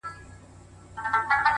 • نه په یوې نه غوبل کي سرګردان وو ,